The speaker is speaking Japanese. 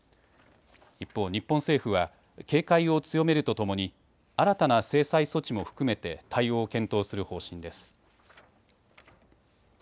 一方、日本政府は警戒を強めるとともに新たな制裁措置も含めて対応を検討する方針です。